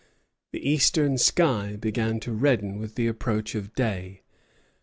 The eastern sky began to redden with the approach of day.